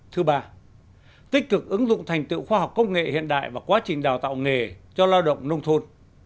thứ ba tích cực ứng dụng thành tựu khoa học công nghệ hiện đại và quá trình đào tạo nghề cho lao động nông thôn